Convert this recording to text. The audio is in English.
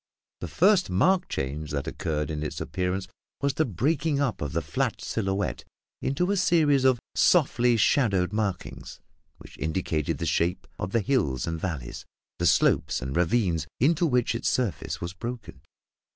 The first marked change that occurred in its appearance was the breaking up of the flat silhouette into a series of softly shadowed markings which indicated the shapes of the hills and valleys, the slopes and ravines into which its surface was broken.